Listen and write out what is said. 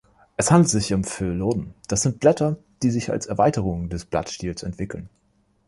Es handelt sich um Phylloden, das sind Blätter, die sich als Erweiterung des Blattstiels entwickeln.